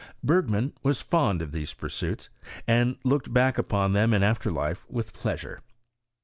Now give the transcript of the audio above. — Bergman was fond of these pursuits, and looked back upon them in afterlife with pleasure.